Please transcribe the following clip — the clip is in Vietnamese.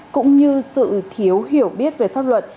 cũng như sự thiếu hiểu biết về pháp luật